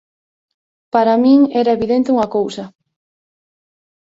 Para min era evidente unha cousa: